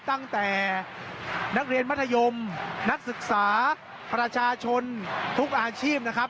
ตั้งแต่นักเรียนมัธยมนักศึกษาประชาชนทุกอาชีพนะครับ